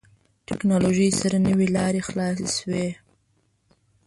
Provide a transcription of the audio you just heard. ټکنالوژي سره نوې لارې خلاصې شوې.